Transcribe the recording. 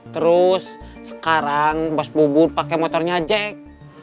terus sekarang bos bubur pakai motornya jack